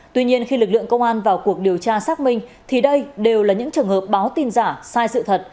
tuy nhiên khi lực lượng công an vào cuộc điều tra xác minh thì đây đều là những trường hợp báo tin giả sai sự thật